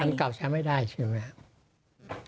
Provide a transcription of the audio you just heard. มันเก่าใช้ไม่ได้ใช่ไหมครับ